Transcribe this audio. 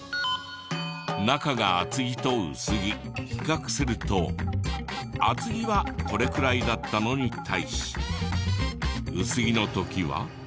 中が厚着と薄着比較すると厚着はこれくらいだったのに対し薄着の時は。